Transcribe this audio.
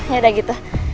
ya udah gitu